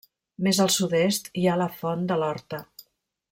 Més al sud-est hi ha la Font de l'Horta.